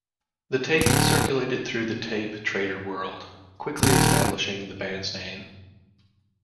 The tapes circulated through the tape trader world, quickly establishing the band's name.